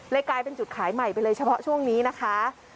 กลายเป็นจุดขายใหม่ไปเลยเฉพาะช่วงนี้นะคะ